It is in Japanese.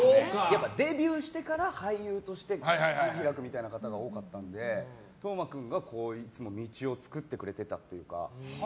デビューしてから俳優として花開く方が多かったので斗真君がいつも道を作ってくれていたというか。